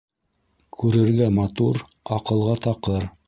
Күрергә матур, аҡылға таҡыр.